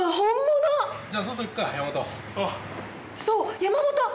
そう山本！